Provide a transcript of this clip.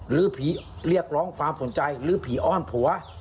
หรือผีเรียกร้องความสนใจหรือผีอ้อนผัว